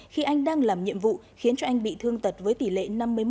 khi anh đang làm nhiệm vụ khiến cho anh bị thương tật với tỷ lệ năm mươi một